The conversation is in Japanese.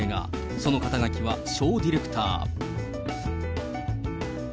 その肩書はショーディレクター。